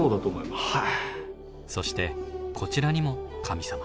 そしてこちらにも神様。